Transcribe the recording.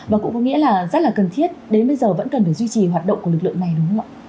và cũng có nghĩa là rất là cần thiết đến bây giờ vẫn cần phải duy trì hoạt động của lực lượng này đúng không ạ